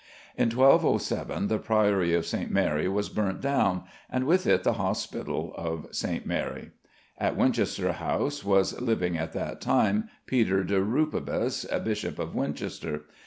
In 1207 the Priory of St. Mary was burnt down, and with it the Hospital of St. Mary. At Winchester House was living at that time Peter de Rupibus, Bishop of Winchester.